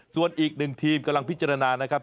ส่วนอีกหนึ่งทีมกำลังพิจารณานะครับ